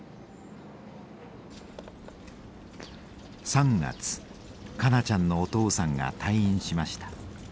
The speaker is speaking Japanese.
３月香菜ちゃんのお父さんが退院しました。